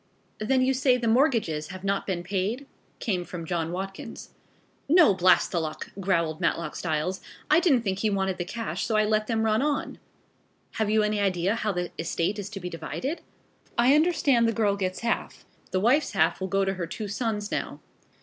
"Then you say the mortgages have not been paid?" came from John Watkins. "No, blast the luck!" growled Matlock Styles. "I didn't think he wanted the cash so I let them run on." "Have you any idea how the estate is to be divided?" "I understand the girl gets half. The wife's half will go to her two sons now."